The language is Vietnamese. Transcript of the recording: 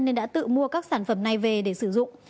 nên đã tự mua các sản phẩm này về để sử dụng